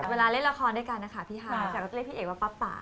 เวลาเล่นละครด้วยกันนะคะพี่ฮาแต่ก็จะเรียกพี่เอกว่าป๊าป่า